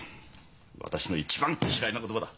私の一番嫌いな言葉だ！